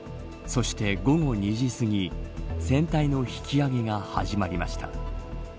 そして午後２時すぎ船体の引き揚げが始まりました。